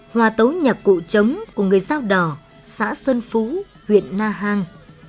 hoa tấu nhạc cụ trống của người giao đỏ xã sơn phú huyện na hàng